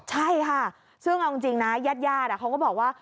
ใช่ค่ะซึ่งเอาจริงนะญาติญาติเขาก็บอกว่า